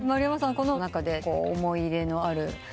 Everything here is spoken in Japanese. この中で思い入れのあるバンドとか？